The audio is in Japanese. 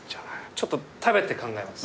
ちょっと食べて考えます。